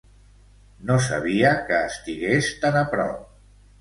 No sabia que estigués tan a prop.